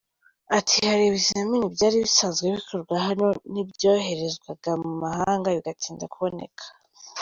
Ati “Hari ibizamini byari bisanzwe bikorwa hano n’ibyoherezwaga mu mahanga bigatinda kuboneka.